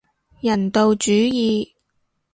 人道主義